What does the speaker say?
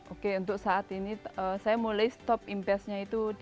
oke untuk saat ini saya mulai stop investnya itu